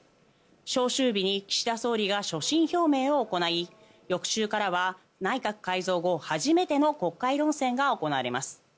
召集日に岸田総理が所信表明を行い翌週からは内閣改造後初めての国会論戦が行われます。